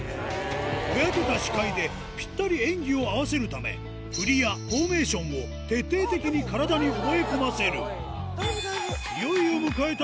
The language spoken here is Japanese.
ぼやけた視界でぴったり演技を合わせるため、振りやフォーメーションを徹底的に体に覚え込ませる。